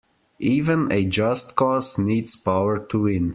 Even a just cause needs power to win.